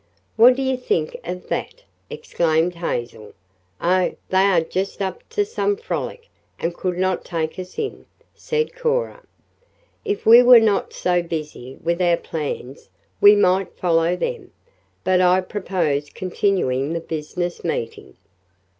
"What do you think of that!" exclaimed Hazel. "Oh, they are just up to some frolic, and could not take us in," said Cora. "If we were not so busy with our plans we might follow them. But I propose continuing the business meeting."